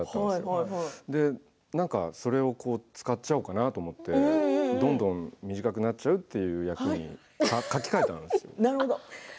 それで、それを使っちゃおうかなと思ってどんどん短く切るという役に書き変えたんですよ。